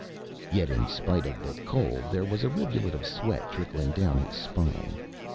Yet in spite of the cold there was a rivulet of sweat trickling down his spine.